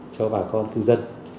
cho bà con cư dân